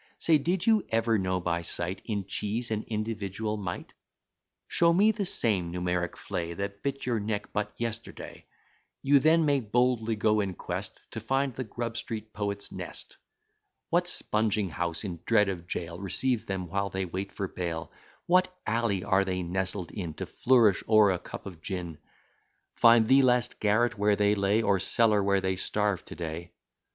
Say, did you ever know by sight In cheese an individual mite! Show me the same numeric flea, That bit your neck but yesterday: You then may boldly go in quest To find the Grub Street poet's nest; What spunging house, in dread of jail, Receives them, while they wait for bail; What alley are they nestled in, To flourish o'er a cup of gin; Find the last garret where they lay, Or cellar where they starve to day.